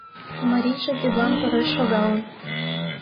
А марийже тидлан тореш шогалын.